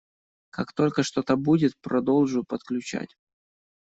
Как только что-то будет - продолжу подключать.